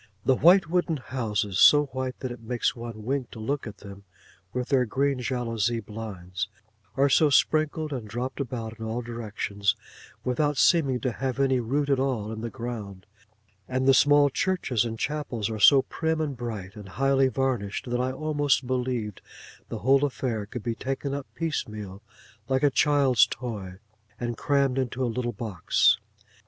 The white wooden houses (so white that it makes one wink to look at them), with their green jalousie blinds, are so sprinkled and dropped about in all directions, without seeming to have any root at all in the ground; and the small churches and chapels are so prim, and bright, and highly varnished; that I almost believed the whole affair could be taken up piecemeal like a child's toy, and crammed into a little box.